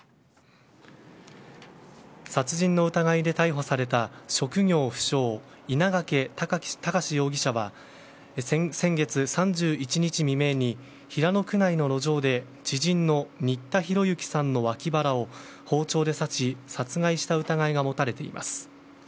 殺人の疑いで逮捕された職業不詳稲掛躍容疑者は先月３１日未明に平野区内の路上で知人の新田浩之さんの脇腹を包丁で刺し殺害した疑いが持たれています。